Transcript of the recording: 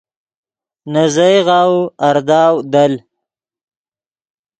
نے زیغ غاؤو ارداؤ دل